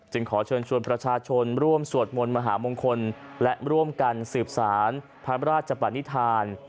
ขอเชิญชวนประชาชนร่วมสวดมนต์มหามงคลและร่วมกันสืบสารพระราชปนิษฐาน